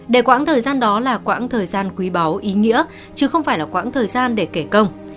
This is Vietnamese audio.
để quãng thời gian đó là quãng thời gian quý báu ý nghĩa chứ không phải là quãng thời gian để kể công